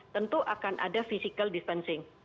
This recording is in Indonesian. tentu akan ada physical distancing